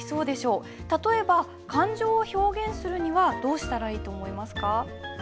例えば感情を表現するにはどうしたらいいと思いますか？